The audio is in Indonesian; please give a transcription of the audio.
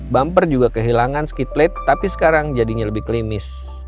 bumper juga kehilangan skit plate tapi sekarang jadinya lebih klimis